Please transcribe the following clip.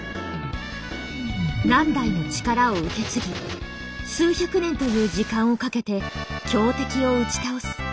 何代も力を受け継ぎ数百年という時間をかけて強敵を打ち倒す。